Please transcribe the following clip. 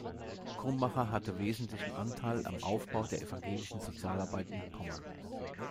Krummacher hatte wesentlichen Anteil am Aufbau der evangelischen Sozialarbeit in Pommern.